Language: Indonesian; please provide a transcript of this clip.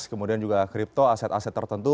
kemudian juga kripto aset aset tertentu